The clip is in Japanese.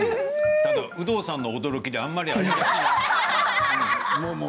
ただ有働さんの驚きであんまり味がしない。